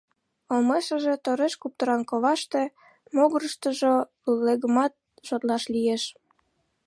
Олмешыже тореш куптыран коваште, могырыштыжо лулегымат шотлаш лиеш.